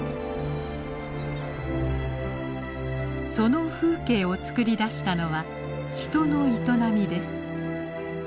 その風景をつくり出したのは人の営みです。